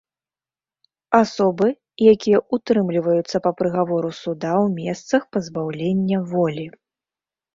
Асобы, якія ўтрымліваюцца па прыгавору суда ў месцах пазбаўлення волі.